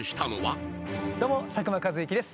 どうも佐久間一行です。